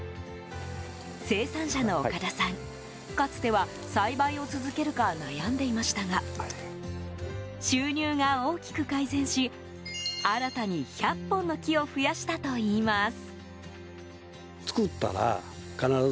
生産者の岡田さん、かつては栽培を続けるか悩んでいましたが収入が大きく改善し新たに１００本の木を増やしたといいます。